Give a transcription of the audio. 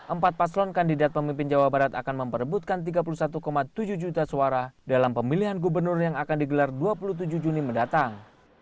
empat paslon kandidat pemimpin jawa barat akan memperebutkan tiga puluh satu tujuh juta suara dalam pemilihan gubernur yang akan digelar dua puluh tujuh juni mendatang